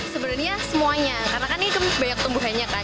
sebenarnya semuanya karena kan ini banyak tumbuhannya kan